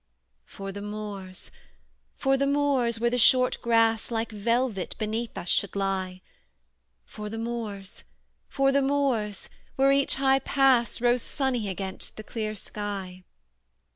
For the moors! For the moors, where the short grass Like velvet beneath us should lie! For the moors! For the moors, where each high pass Rose sunny against the clear sky!